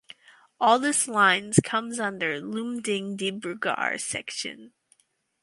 All this lines comes under Lumding–Dibrugarh section.